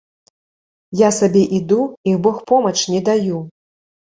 Я сабе іду і богпомач не даю.